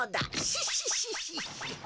シッシッシッシッ。